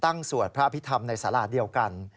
ตั้งสวดพระพิธรรมในสาระเดียวกัน